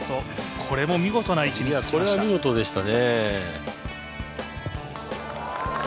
これは見事でしたね。